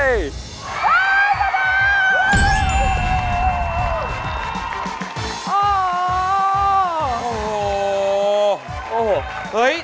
เย้สำเร็จ